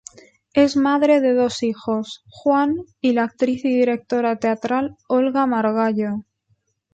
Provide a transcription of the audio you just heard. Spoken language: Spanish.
Es madre de dos hijos, Juan, y la actriz y directora teatral Olga Margallo.